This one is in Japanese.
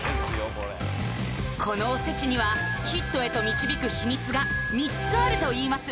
これこのおせちにはヒットへと導く秘密が３つあるといいます